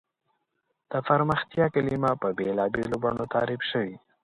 د پرمختیا کلیمه په بېلابېلو بڼو تعریف شوې.